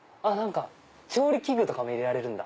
調理器具とかも入れられるんだ。